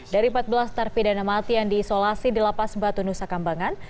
dari empat belas terpidana mati yang diisolasi di lapas batu nusa kambangan